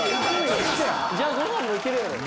じゃあご飯も行けるやろ。